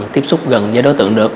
tiếp xúc gần với đối tượng được